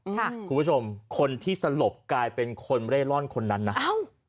คุณผู้ชมคนที่สลบกลายเป็นคนเร่ร่อนคนนั้นนะเอ้า